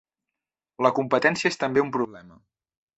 La competència és també un problema.